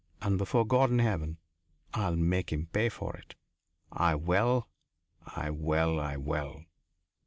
"And before God in heaven, I'll make him pay for it. I will! I will! I will!"